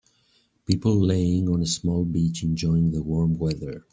People laying on a small beach enjoying the warm weather.